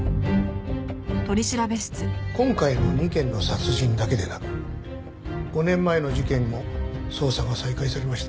今回の２件の殺人だけでなく５年前の事件も捜査が再開されました。